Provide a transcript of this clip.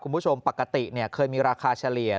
คุณผู้ชมปกติเคยมีราคาเฉลี่ย